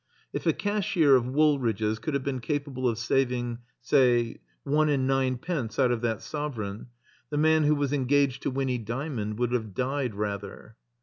If a cashier of Wool ridge's could have been capable of saving, say, one and ninepence out of that sovereign, the man who was engaged to Winny Dymond would have died rather.